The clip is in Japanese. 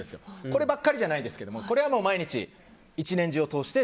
こればっかりじゃないですけどこれは毎日１年中通して